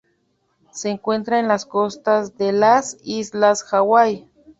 Se encuentra en las costas de las Islas Hawaii.